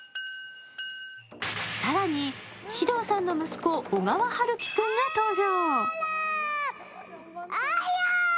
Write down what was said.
更に、獅童さんの息子、小川陽喜君が登場。